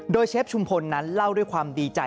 โดยเชฟชุมพลนั้นเล่าด้วยความดีใจ